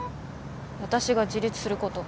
私が自立すること。